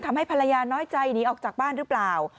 ทำให้ภรรยาน้อยใจหนีออกจากบ้านหรือเปล่า